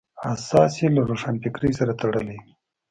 اساس یې له روښانفکرۍ سره تړلی وي.